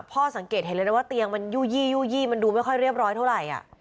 สังเกตเห็นเลยนะว่าเตียงมันยู่ยี่ยู่ยี่มันดูไม่ค่อยเรียบร้อยเท่าไหร่